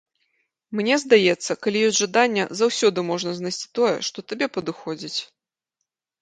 Мне здаецца, калі ёсць жаданне, заўсёды можна знайсці тое, што табе падыходзіць.